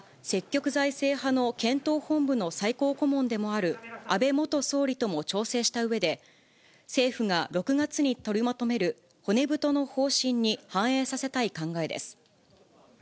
今後は、積極財政派の検討本部の最高顧問でもある安倍元総理とも調整したうえで、政府が６月に取りまとめる骨太の方針に反映させたい考えです。